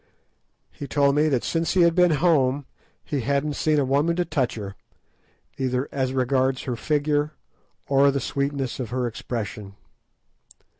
He told me that since he had been home he hadn't seen a woman to touch her, either as regards her figure or the sweetness of her expression.